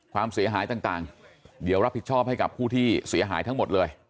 ความเสียหายต่างเดี๋ยวรับผิดชอบให้กับผู้ที่เสียหายทั้งหมดเลย